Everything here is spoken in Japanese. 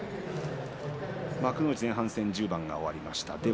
幕内前半戦１０番が終わりました。